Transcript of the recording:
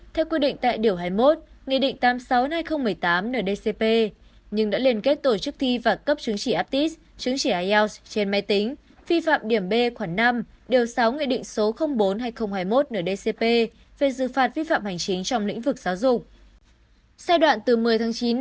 theo quy định tại điều hai mươi một nghị định tám mươi sáu hai nghìn một mươi tám ndcp nhưng đã liên kết tổ chức thi và cấp chứng chỉ aptis chứng chỉ ielts trên máy tính vi phạm điểm b khoảng năm điều sáu nghị định số bốn hai nghìn hai mươi một ndcp về dự phạt vi phạm hành chính trong lĩnh vực giáo dục